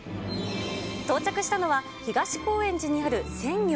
到着したのは、東高円寺にあるせん陽。